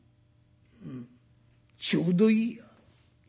「うんちょうどいいや。